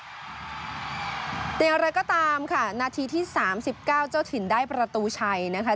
แต่อย่างไรก็ตามค่ะนาทีที่๓๙เจ้าถิ่นได้ประตูชัยนะคะ